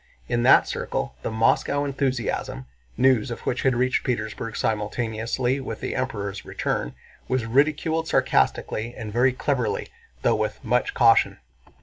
In that circle the Moscow enthusiasm—news of which had reached Petersburg simultaneously with the Emperor's return—was ridiculed sarcastically and very cleverly, though with much caution.